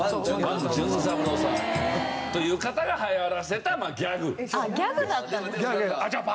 伴淳三郎さんという方が流行らせたギャグ。